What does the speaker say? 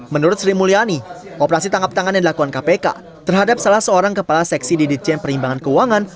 menurut sri mulyani operasi tangkap tangan yang dilakukan kpk terhadap salah seorang kepala seksi di ditjen perimbangan keuangan